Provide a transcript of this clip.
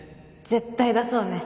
絶対出そうね